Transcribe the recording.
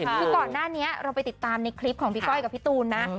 คือก่อนหน้านี้เราไปติดตามในคลิปของพี่ก้อยกับพี่ตูนนะ